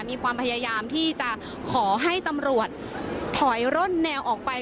มีความพยายามที่จะขอให้ตำรวจถอยร่นแนวออกไป